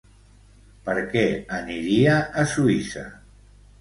Per què aniria a Suïssa?